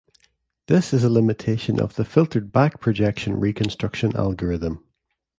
This is a limitation of the filtered back projection reconstruction algorithm.